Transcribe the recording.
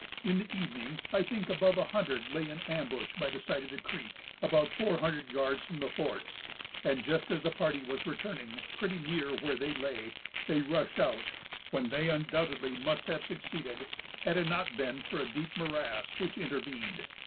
In the evening, I think above a hundred lay in ambush by the side of the creek, about four hundred yards from the fort; and, just as the party was returning pretty near where they lay, they rushed out, when they undoubtedly must have succeeded, had it not been for a deep morass which intervened.